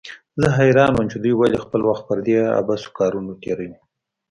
زه حيران وم چې دوى ولې خپل وخت پر دې عبثو کارونو تېروي.